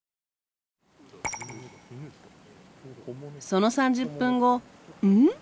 その３０分後ん？